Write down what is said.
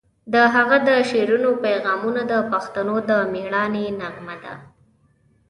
د هغه د شعرونو پیغامونه د پښتنو د میړانې نغمه ده.